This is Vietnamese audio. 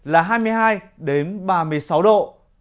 là hai mươi hai đến ba mươi sáu độ